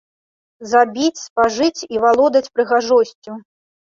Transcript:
Забіць, спажыць і валодаць прыгажосцю!